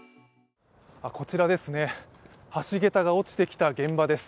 こちらですね、橋桁が落ちてきた現場です。